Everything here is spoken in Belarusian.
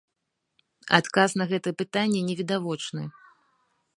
Адказ на гэтае пытанне невідавочны.